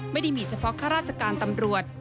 ไม่ได้มีเฉพาะข้าราชการตำรวจ